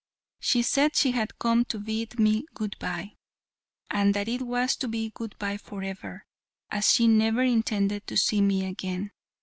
She said she had come to bid me good bye, and that it was to be good bye forever, as she never intended to see me again.